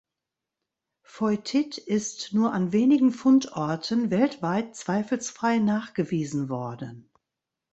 Foitit ist nur an wenigen Fundorten weltweit zweifelsfrei nachgewiesen worden.